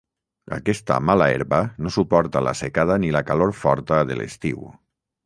Aquesta mala herba no suporta la secada ni la calor forta de l'estiu.